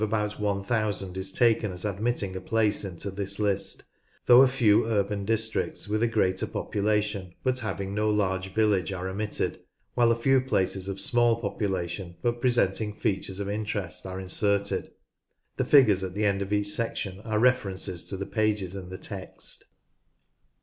A population of about 1000 is taken as admitting a place into this list, though a few urban districts with a greater population but having no large village are omitted, while a few places of small population but presenting features of interest are inserted. The figures at the end of each section are references to the pages in the text.)